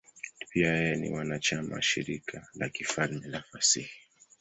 Pia yeye ni mwanachama wa Shirika la Kifalme la Fasihi.